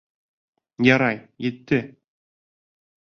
Ярай, етте.